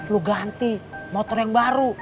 lu ganti motor yang baru